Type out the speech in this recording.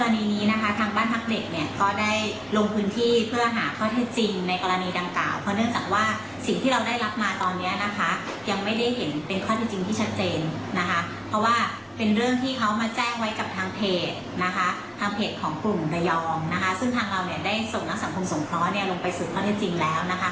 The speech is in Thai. ในกรณีนี้ทางบ้านพักเด็กก็ได้ลงพื้นที่ที่เพื่อหาข้อเท็จจริงในกรณีดังกล่าว